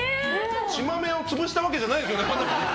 血豆を潰したわけじゃないでしょ。